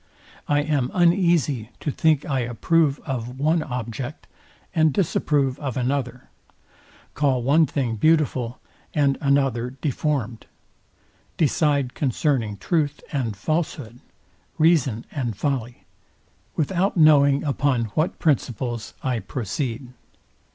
I am uneasy to think I approve of one object, and disapprove of another; call one thing beautiful, and another deformed; decide concerning truth and falshood, reason and folly, without knowing upon what principles I proceed.